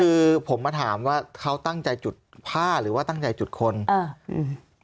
คือผมมาถามว่าเขาตั้งใจจุดผ้าหรือว่าตั้งใจจุดคนอ่าอืม